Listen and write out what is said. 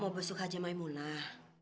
mau besok haja maimunah